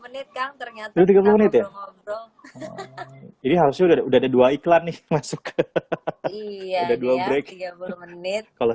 menit kang ternyata tiga puluh menit ya ini harusnya udah ada dua iklan nih masuk ke iya ada dua break kalau